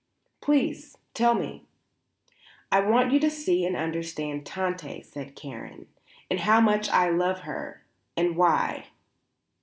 "Please tell me." "I want you to see and understand Tante," said Karen. "And how much I love her; and why."